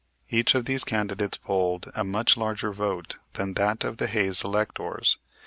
Each of these candidates polled a much larger vote than that of the Hayes electors.